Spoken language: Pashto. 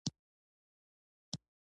له خپلو ملګرو سره پنجاب ته ورسېدلو.